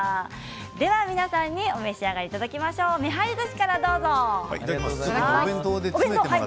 では、皆さんにお召し上がりいただきたいと思います。